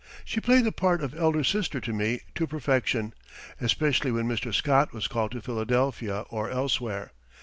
She played the part of elder sister to me to perfection, especially when Mr. Scott was called to Philadelphia or elsewhere.